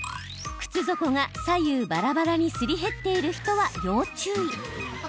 靴底が、左右ばらばらにすり減っている人は要注意。